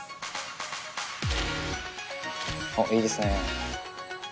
あっいいですね。